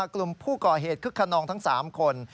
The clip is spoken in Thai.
กลุ่มผู้ก่อเหตุคึกขนองทั้ง๓คน